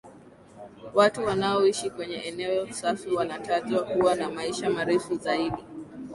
Watu wanaoishi kwenye eneo safi wanatajwa kuwa na maisha marefu zaidi